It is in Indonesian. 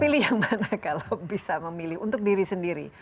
pilih yang mana kalau bisa memilih untuk diri sendiri